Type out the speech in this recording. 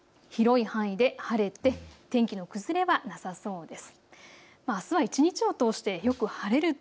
そして夜も広い範囲で晴れて天気の崩れはなさそうです。